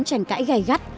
tranh cãi gai gắt